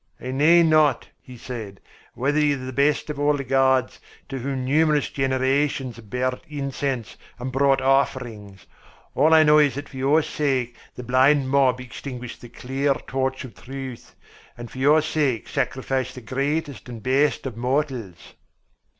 "I know not," he said, "whether ye are the best of all the gods to whom numerous generations have burned incense and brought offerings; all I know is that for your sake the blind mob extinguished the clear torch of truth, and for your sake sacrificed the greatest and best of mortals!"